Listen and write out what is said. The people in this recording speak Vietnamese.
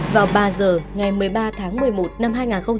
vào ba giờ ngày một mươi ba tháng một mươi một năm hai nghìn hai mươi ba